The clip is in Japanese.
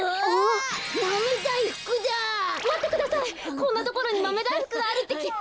こんなところにまめだいふくがあるってきっと。